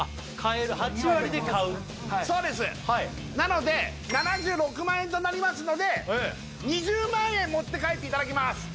買える８割で買うそうですなので７６万円となりますので２０万円持って帰っていただきます